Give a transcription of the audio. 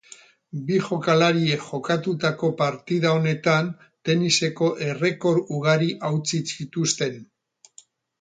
Bi jokalariek jokatutako partida honetan teniseko errekor ugari hautsi zituzten.